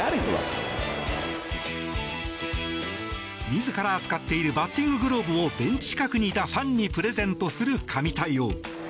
自ら使っているバッティンググローブをベンチ近くにいたファンにプレゼントする神対応。